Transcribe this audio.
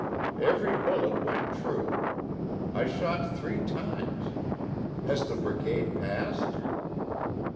Every bullet went true. I shot three times. Has the brigade passed?"